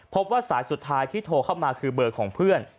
พบว่าสายสุดท้ายที่โทรเข้ามาคือเบอร์ของเพื่อน